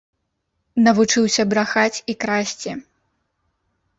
Навучыўся брахаць і красці.